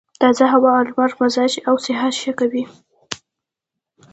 تازه هوا او لمر مزاج او صحت ښه کوي.